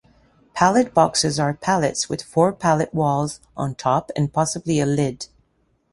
Pallet boxes are pallets with four pallet walls on top and possibly a lid.